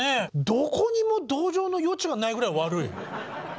どこにも同情の余地がないぐらい悪い。